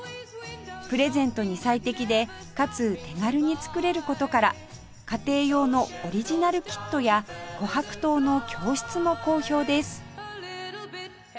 プレゼントに最適でかつ手軽に作れる事から家庭用のオリジナルキットや琥珀糖の教室も好評です